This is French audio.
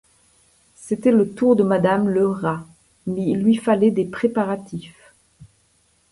C'était le tour de madame Lerat, mais il lui fallait des préparatifs.